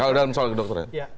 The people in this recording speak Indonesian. kalau dalam soal kedokteran